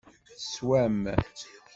Teswam.